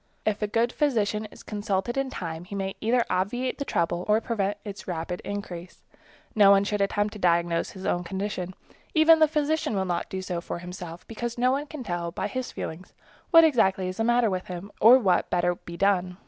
If a good physician is consulted in time, he may either obviate the trouble or prevent its rapid increase. No one should attempt to diagnose his own condition. Even the physician will not do so for himself, because no one can tell by his feelings exactly what is the matter with him or what would better be done.